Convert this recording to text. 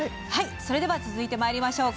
それでは続いてまいりましょう。